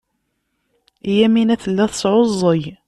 Yamina tella tesɛuẓẓug.